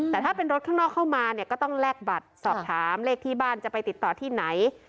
แต่ถ้าเป็นรถข้างนอกเข้ามาเนี่ยก็ต้องแลกบัตรสอบถามเลขที่บ้านจะไปติดต่อที่ไหน